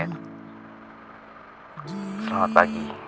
sampai jumpa lagi